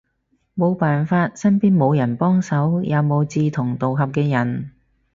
無辦法，身邊無人幫手，也無志同道合嘅人